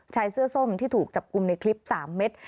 ชายเสื้อส้มที่ถูกจับกลุ่มในคลิป๓เม็ด